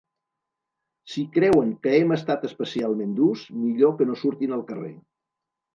Si creuen que hem estat especialment durs, millor que no surtin al carrer.